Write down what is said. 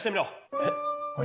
えっ？